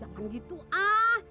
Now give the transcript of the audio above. jangan gitu ah